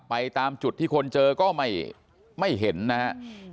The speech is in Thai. ตามจุดที่คนเจอก็ไม่เห็นนะครับ